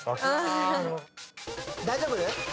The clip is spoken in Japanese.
大丈夫？